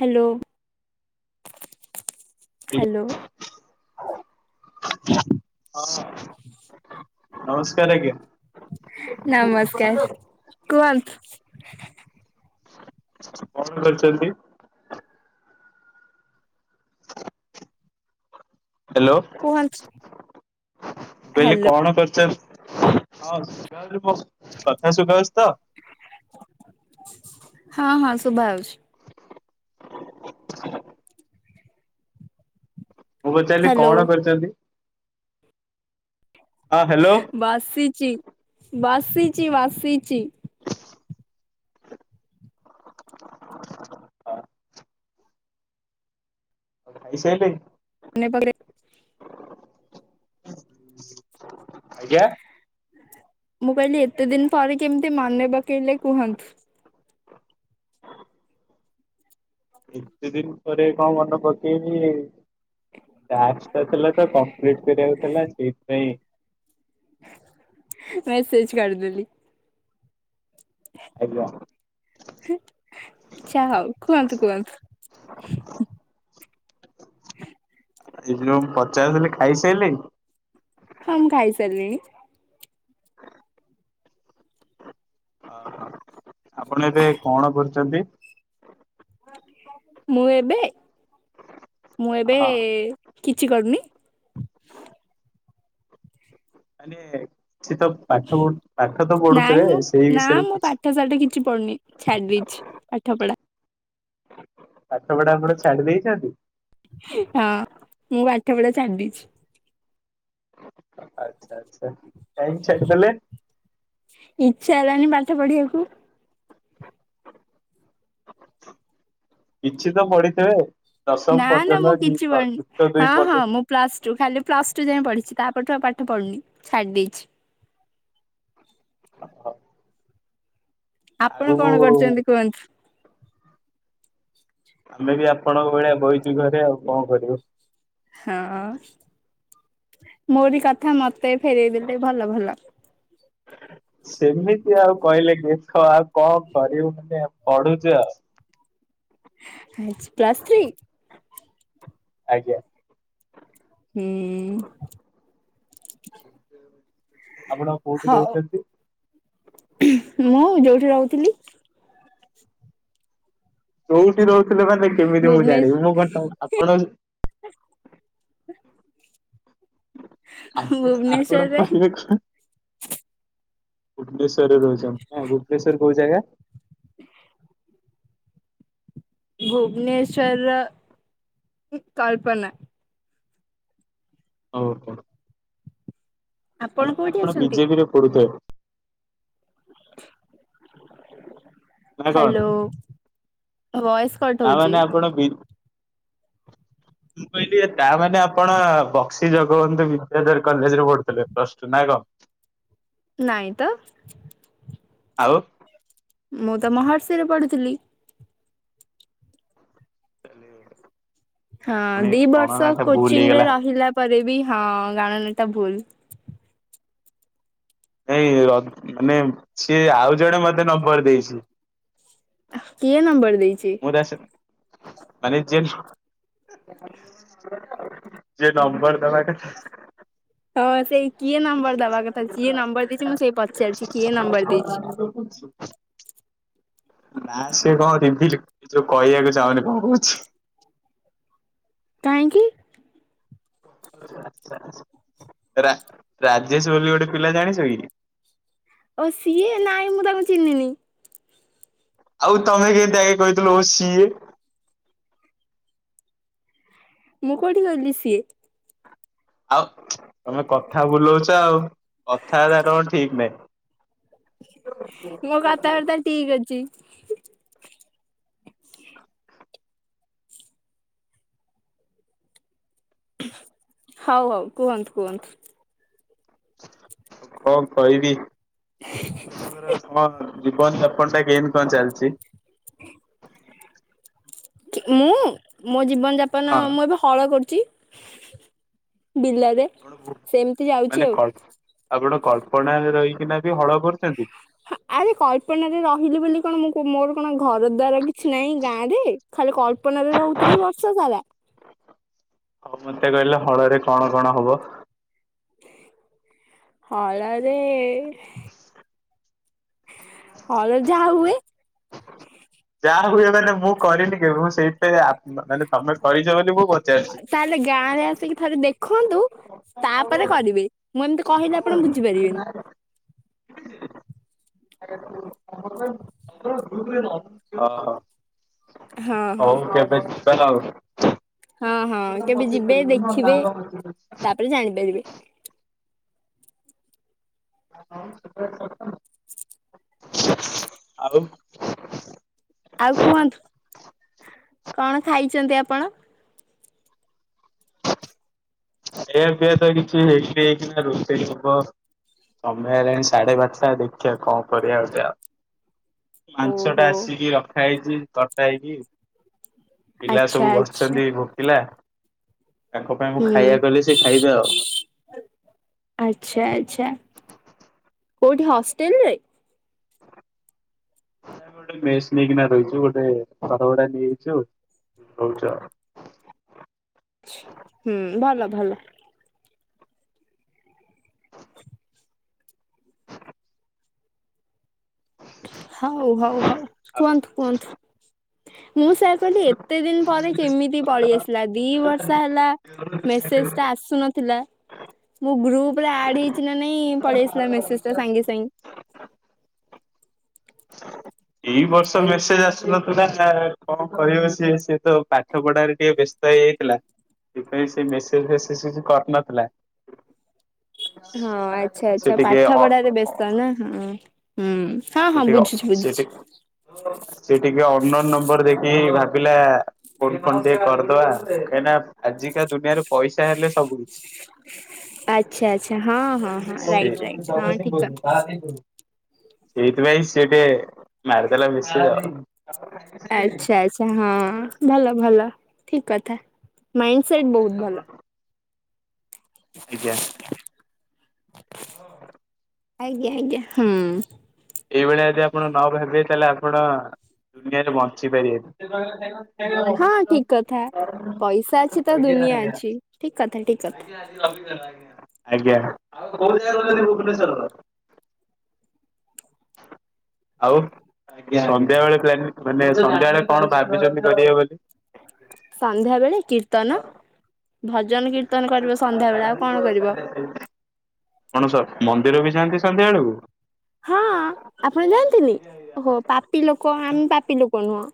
Hello hello? ହଁ ନମସ୍କାର ଆଜ୍ଞା। ନମସ୍କାର କୁହ କଣ କରିଛନ୍ତି? ହ୍ୟାଲୋ କୁହନ୍ତୁ ବୋଇିଲେ ହ୍ୟାଲୋ। କଣ କରିଚ ହଁ [unintelligible] ମୋ କଥା ସୁଭାଯାଉଚି ତ? ହଁ ହଁ ଶୁଭା ଆଉଛି। ହଁ। ମୁଁ ପଚାରିଲି ହ୍ୟାଲୋ କଣ କରିଚନ୍ତି? ହ୍ୟାଲୋ ବସିଚି ବସିଚି ବସିଚି। [inaudible] ଖାଇସାଇଲେଣି [unintelligible] ଆଜ୍ଞା ମୁଁ କହିଲି ଏତେ ଦିନି ପରେ କେମିତି ମନେ ପକେଇଲେ କୁହନ୍ତୁ। ଏତେ ଦିନି ପରେ କଣ ମନେ ପକେଇବି। ଟାସ୍କ ନଥିଲା ତ କଂପ୍ଲିଟ କରିବାକୁ ଥିଲା ସେଇଥିପାଇଁ ମେସେଜ୍ କରିଦେଲି। ଆଜ୍ଞା। ଆଛା ହଉ କୁହନ୍ତୁ କୁହନ୍ତୁ। ହୁଁ। ଏଇ ଯୋଉ ମୁଁ ପଚାରୁଥିଲି ଖାଇସାଇଲେଣି? ହ ମୁଁ ଖାଇସାରିଲିଣିି। ଓ ହ ଆପଣ ଏବେ କଣ ପଢୁଛନ୍ତି? ମୁଁ ଏବେ ମୁଁ ଏବେ ହଁ କିଛି କରୁନି। ମାନେ କିଛି ତ ପାଠ ପଢ ପାଠ ତ ନାଇଁ ପଢୁଥିବେ ମୁଁ ସେଇ ନା ବିଷୟରେ ମୁଁ ପଚାରୁଛି? ପାଠପଢା ପାଠପଢା ଆଉ କଣ ଛାଡିଦେଇଛନ୍ତି? ହଁ ମୁଁ ପାଠପଢ଼ା ଛାଡ଼ିଦେଇଛି। ଆଚ୍ଛା ଆଚ୍ଛା କାଇଁ ଛାଡ଼ିଦଲେ? ଇଚ୍ଛା ହେଲାନି ପାଠ ପଢିବାକୁ। କିଛି ତ ପଢିଥିବେ? ଦଶମ ନା ନା ମୁଁ ପର୍ଯ୍ୟନ୍ତ କି କିଛି ପ୍ଲ ପଢୁନି ଯୁକ୍ତ ଦୁଇ ହଁ ହଁ ପର୍ଯ୍ୟନ୍ତ ମୁଁ ପ୍ଲସ ଟୁ ଖାଲି ପ୍ଲସ ଟୁ ଯାଇଏଁ ପଢିଛି ତାପରେ ପଠ ଆଉ ପାଠ ପଢୁନି ଛାଡି ଦେଇଛି। ହ ହ। ଆପଣ କଣ କରୁଛନ୍ତି କୁହନ୍ତୁ? ଆମେ ବି ଆପଣଙ୍କ ଭଳିଆ ବଇଚୁ ଘରେ ଆଉ କଣ କରିବୁ। ହଁ ମୋରି କଥା ମତେ ଫେରଇ ଦେଲେ ଭଲ ଭଲ। ସେମିତି ଆଉ କହିଲେ ଦେଖ ଆଉ କଣ କରିବୁ ମାନେ ପଢୁଚୁ ଆଉ। ଆ ପ୍ଲସ୍ ଥ୍ରୀ? ଆଜ୍ଞା। ହୁଁ। ହଉ ଆପଣ କୋଉଠି ମୁଁ ରହୁଛନ୍ତି? ଯୋଉଠି ରହୁଥିଲି। କୋଉଠି ରହୁଥି ମତେ କେମିତି ମୁଁ ଭୁବନେଶ ଜାଣିବି ମୁଁ କଣ ତମ ଆପଣ ଆପଣ ଆପଣ ଭୁବନେଶ୍ଵରରେ କହିଲେ କଣ ହଷ୍ଟେଲେରେ ରହୁଛନ୍ତି ଭୁବନେଶ୍ୱର କୋଉ ଜାଗା? ଭୁବନେଶ୍ୱରର କଳ୍ପନା। ଓହୋ। ତା ମାନେ କୋଉଠି ଆପଣ ଅଛନ୍ତି? ବିଜେପି ରେ ପଡୁଥିବେ। ନା କଣ ହ୍ୟାଲୋ ଭଏସ କଟ ହଉଛି ତାମାନେ ଆପଣ ବିଜେ ମୁଁ କହିଲି ତା ମାନେ ଆପଣ ବକ୍ସି ଜଗବନ୍ଧୁ ବିଦ୍ୟାଧର କଲେଜରେ ପଢୁଥିଲେ ପ୍ଲସ ଟୁ ନା କଣ? ନାଇଁ ତ। ଆଉ। ମୁଁ ତ ମହର୍ଷି ରେ ପଢୁଥିଲି। ଚାଲି। ହଁ ଦି ବର୍ଷ ଭୁଲ କୋଚିଂ ରେ ହେଇଗଲା। ରହିଲା ପରେ ବି। ହଁ ଗଣ ନତା ଭୁଲ। ନାଇ ମାନେ ସିଏ ଆଉ ଜଣେ ମତେ ନମ୍ବର ଦେଇଛି। କିଏ ନମ୍ବ ମୁଁ ଦାସ ମାନେ ଯେ ଯେଏ ନମ୍ବର ଦବା କଥା ହଁ ସେଇ କିଏ ନମ୍ବର ଦବା କଥା କିିଏ ଯିଏ ନମ୍ବର ଦେଇଛି ମୁଁ ସେଇ ପଚାରିଛି କିଏ ନମ୍ବର ଦେଇଛି। ସୁବୁ [inaudible] ନା ସେ କଣ ଟିମ୍ ଟିଲି କହିବାକୁ ଚାହୁଁନି କଣ କହୁଚି କାହିଁକି ଆଛା ରାରାଜେଶ ବୋଲି ଗୋଟେ ପିଲା ଜାଣିଛ କି? ଓ ସିଏ ନାହିଁ ମୁଁ ତାଙ୍କୁ ଚିହ୍ନିନି ଆଉ ତମେ କେମତିଗ କହିଥିଵ ସିଏ ମୁଁ କଉଠି କହିଲି ସିଏ ଆଉ ତମେ କଥା ବୁଲଉଛ ଆଉ କଥା ଅରା ତମର ଠିକ ନାହିଁ ମୋ କଥାବାର୍ତ୍ତା ଠିକ ଅଛି ହଉ ହଉ କୁହନ୍ତୁ କୁହନ୍ତୁ କ କହିବି ଜୀବନ ଯାପନ ଟା କେମତି କଣ ଚାଲିଛି? ମୁଁ ମୋ ଜୀବନ ଯାପନ ହଁ ମୁଁ ଏବେ ହଳ କରୁଛି ବିଲରେ କଣ ବୁ ସେମିତି ଯାଉଛି ମାନେ ଆଉ। ଆପଣ କଳପ କଳ୍ପନା ରହିକିନା ବି ହଳ କରୁଛନ୍ତି ଆରେ କପନାରେରେ ରହିଲି ବୋଲି କଣ ମୁଁ ମୋର କଣ ଘର ଦୁଆର କିଛି ନାହିଁ ଗାଁ ରେ ଖାଲି କଳ୍ପନା ରେ ରହୁଥିବେ ବର୍ଷ ସାରା ହ ମତେ କହିଲେ ହଳରେ କଣ କଣ ହବ? ହଳରେ ହଲ ଯାହା ହୁଏ ଯାହା ହୁଏ ମାନେ ମୁଁ କରିନି କେବେ ମୁଁ ସେଇଥି ପାଇଁ ଆ ମାନେ ତମେ କରିଛ ବୋଲି ମୁ ତାହେଲେ ଗାଁ ରେ ଆସିକି ଥରେ ଦେଖନ୍ତୁ ତାପରେ କରିବି ମୁଁ ଏମିତି କହିଲି ଆପଣ ବୁଝିପାରିବେନି [unintelligible] ହ ହଁ ହଁ ହଉ କେବେ ଯିବା ତ ଆଉ ହଁ ହଁ କେବେ ଯିବେ ଦେଖିବେ ତାପରେ ଜାଣିପାରିବେ। [unintelligible] ସେପେ ରେଟ୍ [unintelligible] ଆଉ ଆଉ କୁହନ୍ତୁ କଣ ଖାଇଛନ୍ତି ଆପଣ? ଏବେ ତ କିଛି ହେଇି ହେଇକି ନା ରୋଷେଇ ହବ ସମୟ ହେଲାଣି ସାଢେ ପାଞ୍ଚଟା ଦେଖିବା କଣ କରିବା ଗୋଟେ ଆଉ ମାଂଛ ଟା ଓହୋ ଆସିକି ରଖା ହେଇଛି କଟା ହେଇକି ପିଲା ଆଚ୍ଛା ସବୁ ଆଚ୍ଛା ବସିଛନ୍ତି ଭୋକିଲା ତାଙ୍କ ପାଇଁ ମୁଁ ଖା ହୁ ଆଚ୍ଛା ଆଚ୍ଛା କୋଉଠି ହଷ୍ଟେଲ ରେ ଗୋଟେ ମେସ୍ ନେଇକିନା ରହିଛୁ ଗୋଟେ ଘରଭଡ଼ା ନେଇଯାଇଚୁ ହଉଚ ହୁଁ ଭଲ ଭଲ [unintelligible] ହଉ ହଉ ହଉ ଆଉ କୁହନ୍ତୁ କୁହନ୍ତୁ ମୁଁ ସେ କହିଲି ଏତେ ଦିନ ପରେ କେମିତି ପଳେଇ ଆସିଲା ଦି ବର୍ଷ ହେଲା ମେସେଜ ଟା ଆସୁନଥିଲା ମୁଁ ଗ୍ରୁପରେ ଆଡ ହେଇଛି ନା ନାଇଁ ପଳେଇ ଆସିଲା ମେସେଜ ସାଙ୍ଗେ ସାଙ୍ଗେ [unintelligible] ଏଇ ବର୍ଷ ମେସେଜ ଆସନଥିଲା ନା କଣ କହିବ ସିଏ ସିଏ ତ ପାଠ ପଢାରେ ଟିକେ ବେଶ ହେଇଯାଇଥିଲା ସେଥିପାଇ ସେ ମେସେଜ ଫେସେଜ କରିନଥିଲା ହଁ ଆଚଛା ସେ ଆଚ୍ଛା ଟିକେ ପାଠ ଅ ପଢାରେ ବେସ୍ତ ନା ହଁ ହୁଁ ହଁ ସେ ହଁ ଟିକେ ବୁଝୁଛି ସେ ବୁଝୁଛି ଟିକେସେଟିକେ ଅନ୍ୟ ନମ୍ବର ଦେ ଭାବିଲା କୋଉଠି କଣ ଟିକେ କରିଦବା କାହିଁକିନା ଆଜିକା ଦୁନିଆରେ ପଇସା ହେଲେ ଶବ ସବୁକିଛି ଆଚ୍ଛା ଆଚ୍ଛା ହଁ ହଁ ହଁ ରାଇଟ ରାଇଟ ହଁ [unintelligible] ଠିକ କଥା। ସେଇଥିପାଇଁ ସେ ଟିକେ ମାରିଦେଲା ବେଶୀ ଆ ଆଚ୍ଛା ଆଛା ହଁ ଭଲ ଭଲ ଠିକ କଥା। ମାଇଣ୍ଡ ସେଟ ବହୁତ ଭଲ। ଆଜ୍ଞା। ହଁ। ଆଜ୍ଞା ଆଜ୍ଞା ହଁ। ଏଇଭଳିଆ ଯଦି ଆପଣ ନ ହେବେ ତାହେଲେ ଆପଣ ଦୁନିଆରେ ବଞ୍ଚି ପାରିବେନି। ହଁ ଠିକ କଥା ପଇସା ଅଛି ତ ଦୁନିଆ ଅଛି, ଠିକ କଥା ଠିକ କଥା। ଆଜ୍ଞା। ଆଉ? ସନ୍ଧ୍ୟାବେେଳେ ପ୍ଲାନିଂ ମାନେ ସନ୍ଧ୍ୟାବେେଳେ କଣ ଭାବିଛନ୍ତି କରବେ ବୋଲି! ସନ୍ଧ୍ୟାବେଳେ କୀର୍ତ୍ତନ। ଭଜନ କୀର୍ତ୍ତନ କରିବ ସନ୍ଧ୍ୟା ବେଳେ ଆଉ କଣ ପଣସ? କରିବ? ମନ୍ଦିର ବି ଯାଆନ୍ତି ସନ୍ଧ୍ୟା ବେଳକୁ? ହଁ, ଆପଣ ଯାଆନ୍ତିନି ହୋ ପାପି ଲୋକ, ଆମେ ପାପି ଲୋକ ନୁହଁ।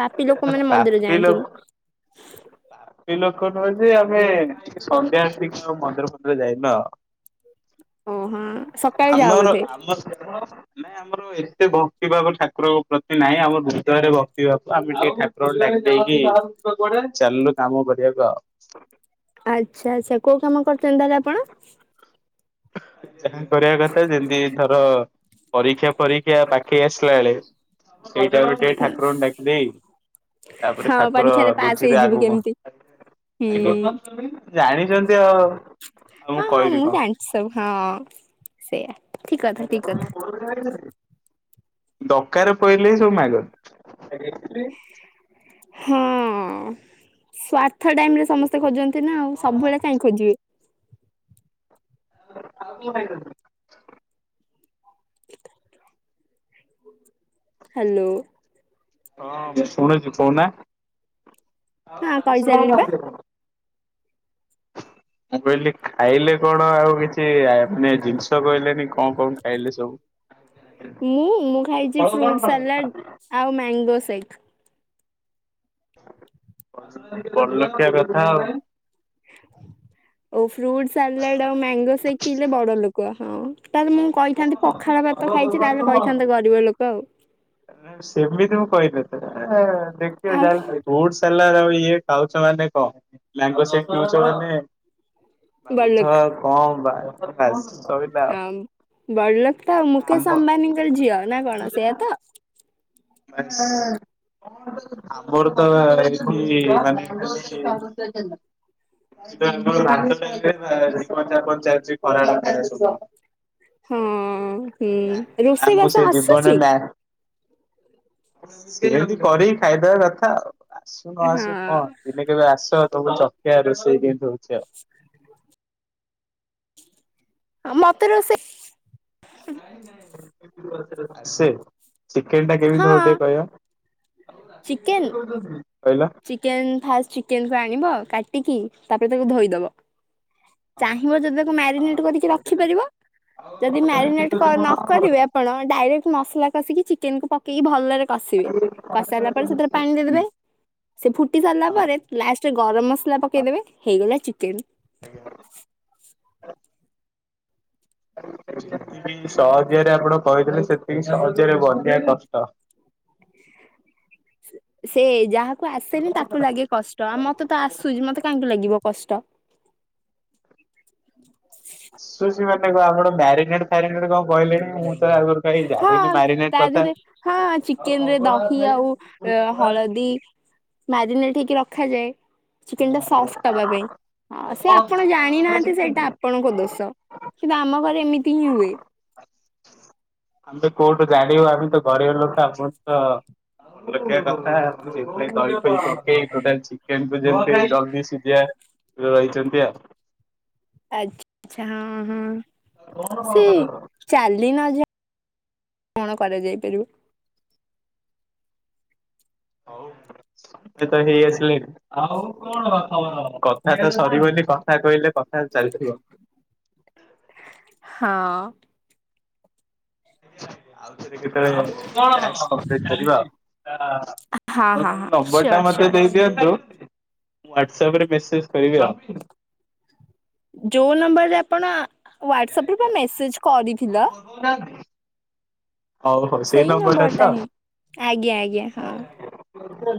ପାପି ଲୋକମାନେ ମନ୍ଦିର ପାପୀ ଯାଆନ୍ତିନି। ଲୋକ, ପାପୀ ଲୋ କ ନୁହେଁ ଯେ ଆମେ ସନ୍ଧ୍ୟା ବେଳେ ଟିକେ ମନ୍ଦିର ଫନ୍ଦିର ଯାଇନ। ଓହୋ ସକାଳେ ଯାଅ ଆମର ବୋଧେ ଆମ ନାଇଁ ଆମର ଏତେ ଭକ୍ତିଭାବ ଠାକୁରଙ୍କ ପ୍ରତି ନାଇଁ, ଆମ ହୃଦୟରେ ଭକ୍ତିଭାବ ଆମେ ଟିକେ ଠାକୁର ଡାକି ଦେଇକି, ଚାଲିଲୁ କାମ କରିବାକୁ ଆଉ। ଆଚ୍ଛା ଆଚ୍ଛା କୋଉ କାମ କରୁଚନ୍ତି ତାହେଲେ ଆପଣ? ଯାହା କରିବା କଥା ଯେମିତି ଧର ପରୀକ୍ଷା ପରୀକ୍ଷା ପାଖେଇ ଆସିଲା ବେଳେ ଏଇଟା ଗୋଟେ ଠାକୁରଙ୍କୁ ଡାକି ଦେଇ ତାପରେ ହଁ ଠାକୁର ପରୀକ୍ଷାରେ ପାସ୍ ବୁଝିବେ ହେଇଯିବୁ ଆଗକୁ କେମିତି ହୁଁ କଣ ଆଜ୍ଞା ଜାଣି ଚ, ମୁଁ ହଁ ହଁ କହିବି କଣ? ଜାଣିଛି ସବୁ ହଁ ସେଇୟଆ ଠିକ କଥା ଠିକ କଥା। ଦକାରେ ପଇଲେ ହି ସବୁ ମାଗନ୍ତି। ହଁ ସ୍ଵାର୍ଥ ଟାଇମ ରେ ସମସ୍ତେ ଖୋଜନ୍ ତି ନାଉ, ସବୁବେଳେ କାଇଁ ଖୋଜିବେ? [unintelligible] [unintelligible] ହ୍ୟାଲୋ। ହଁ ଶୁନୁଚି କହୁନା। ହଁ କହିସାରିଲିଣି ବା ମୁଁ କହିଲି ଖାଇଲେ କଣ ଆଉ କିଛି ମାନେ ଜିନିଷ କହିଲେନି କଣ କଣ ଖାଇଲେ ସବୁ। ମୁଁ ମୁଁ ଖାଇଛି ଫ୍ରୁଟ ସାଲାଡ ଆଉ ମ୍ୟାଙ୍ଗୋ ସେକ୍। ବଡ ଲୋକିଆ କଥା ଆଉ। ଓ ଫ୍ରୁଟ ସାଲାଡ ଆଉ ମ୍ୟାଙ୍ଗୋ ସେକ୍ ପିଇଲେ ବଡ ଲୋକ ହଁ। ତାହେଲେ ମୁଁ କହିଥାନ୍ତି ପଖାଳ ଭାତ ଖାଇଛି, ତାହେଲେ କହିଥାନ୍ତେ ଗରିବ ଲୋକ ଆଉ। ସେମିତି ମୁ କହିଦେଲେ ଏ ଦେଖିବେ ଆଉ ଜାହେଲେ ଫ୍ରୁଟ ସାଲାଡ୍ ସାଲାଡ୍ ଆଉ ଇଏ ଖାଉଛ ମାନେ କଣ, ମ୍ୟାଙ୍ଗୋ ସେକ୍ ପିଉଛ ମାନେ ଭାବୁଥ ବଡଲୋକ କଣ ବା-ବାସ୍। ହଁ ବଡ଼ଲୋକ ତ, ଆମ ମୁକେଶ ଅମ୍ବାନୀଙ୍କର ଝିଅ ନା କଣ ସେଆ ତ? ବାଶ୍ ଆମର ତ ଏଠି ମାନେ ଖାଲି [inaudible] ହଁ। ହୁଁ ନା ରୋଷେଇ ମୁଁ ବାସ ସେ ଯିବନ ଆସୁଛି ନା। ସେମତି କରି ଖାଇଦବା କଥା ଆଉ, ଆସୁ ନ ହଁ ଆସୁ କଣ, ଦିନେ କେବେ ଆସ ତମ ଦେଖିଆ ରୋଷେଇ କେମିତି ହଉଚି ଆଉ। ଆ ମତେ ରୋସେଇ- [inaudible] ଆସେ ଚିକେନ ଟା ହଁ। କେମିତି ହବ ଟିକେ କହିବ? [unintelligible] ଚିକେନ ଫାଷ୍ଟ ଚିକେନକୁ ଆଣିବ କାଟିକି ତାପରେ ତାକୁ ଧୋଇଦବ। ହଁ। ଚାହିଁବ ଯଦି ତାକୁ ମ୍ୟାରିନେଟ କରିକି ରଖିପାରିବ ଯଦି ମ୍ୟାରିନେଟ କ ନ କରିବେ ଆପଣ। ଡାଇରେକ୍ଟ ମସଲା କଷିକି ଚିକେନକୁୁ ପକେଇକି ଭଲରେ କସି ବେ କସି ଶାରିଲା ପରେ ସେଥିରେ ପାଣି ଦେଇଦେବେ। ସେ ଫୁଟି ସାରିଲା ପରେ ଲାଷ୍ଟରେ ଗରମ ମସଲା ପକେଇଦେବେ ହେଇଗଲା ଚିକେନ। ଆଜ୍ଞା। [inaudible] [inaudible] ଯେତିକି ସହଜରେ ଆପଣ କହିଦେଲେ। ସେତିକି ସହଜରେ ବନେଇବା କଷ୍ଟ। [inaudible] [inaudible] ସେ ସେ ଯାହାକୁ ଆସେନି ତାକୁ ଲାଗେ କଷ୍ଟ ଆମତ ତ ଆସୁଛି ମତେ କାହିଁକି ଲାଗିବ କଷ୍ଟ। [inaudible] [unintelligible] ମ୍ୟାରିକେଡ଼ ଫ୍ୟାରିକେଡ କଣ କହିଲେଣି ମୁଁ ତ ଆଗରୁ କାଇଁ ହଁ ଜାଣିନି ମ୍ୟାରିନେଟ ତା କଥା। ଦେହରେ ହଁ ଚିକେନ ରେ ଦହି ଆଉ ହଳଦୀ ମ୍ୟାରିନେଟ ହେଇକି ରଖାଯାଏ। ଚିକେନ ଟା ସଫ୍ଟ ହବା ପାଇଁ ହଁ ସେ ଆପଣ ଜାଣିନାହାନ୍ତି ସେଇଟା ଆପଣଙ୍କ ଦୋଷ। କିନ୍ତୁ ଆମ ଘରେ ଏମିତି ହିଁ ହୁଏ। ଆମେ ତ କୋଉଠୁ ଜାଣିବୁ। ଆମେ ତ ଗରିବ ଲୋକ ଆପଣ ତ ବଡଲୋକିଆ କଥା ବୁଝି ଏ ଦହି ଫହି ପକେଇ ଟୋଟାଲ ଚିକେନ୍ ଯଦି ଯେମିତି [unintelligible] ରହିଛନ୍ତି ଆଉ। ଆଚ୍ଛା-ଚ୍ଛା ହଁ ହଁ ସେ ଚାଲି ନ ଯ କଣ କରାଯାଇପାରିବ? ହୋଉ ସନ୍ଧ୍ୟା ଡ ହେଇ ଆସିଲେଣି। [inaudible] କଥା ତ ସରିବନି କଥା କହିଲେ କଥା ଚାଲିଥିବ। [inaudible] ହଁ। ଆଉଥରେ କେତେବେଳ ଟାସ୍କ କମ୍ଲିଟ କରିବା ଆଉ। ହଁ ଆପଣ ହଁ ହଁ [unintelligible] ନମ୍ବର ଟା ସିଓର ମତେ ଦେଇ ସିଓର। ଦିଅନ୍ତୁ। ମୁଁ ହ୍ୱାଟ୍ସପରେ ମେସେଜ କରିବି ଆଉ। ଯୋଉ ନମ୍ବରରେ ଆପଣ, ହାଟସପରେ ବା ମେସେଜ କରିଥିଲ? ହୋଉ ହୋଉ ସେଇ ନମ୍ବରଟା ତ ଆଜ୍ଞା ଆଜ୍ଞା [inaudible] ହଁ। ହୋଉ ହୋଉ।